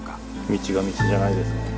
道が道じゃないですね。